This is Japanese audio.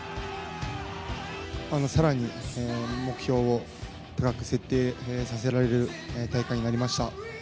更に、目標を高く設定させられる大会になりました。